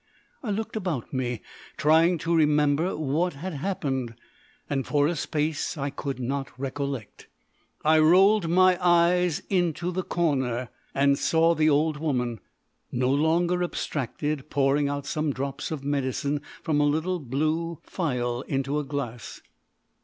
I looked about me, trying to remember what had happened, and for a space I could not recollect. I rolled my eyes into the corner, and saw the old woman, no longer abstracted, pouring out some drops of medicine from a little blue phial into a glass.